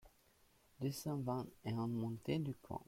deux cent vingt et un montée du Coin